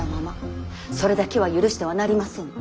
それだけは許してはなりませぬ。